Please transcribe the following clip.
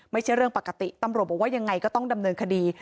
ไม่ใช่เรื่องปกติตำรวจบอกว่ายังไงก็ต้องดำเนินคดี